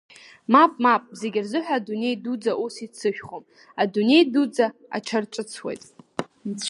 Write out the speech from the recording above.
Мап, мап, зегь рзыҳәа Адунеи дуӡӡа ус иццышәхом, Адунеи дуӡӡа аҽарҿыцуеит!